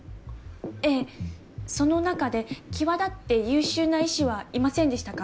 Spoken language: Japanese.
ええその中で際立って優秀な医師はいませんでしたか？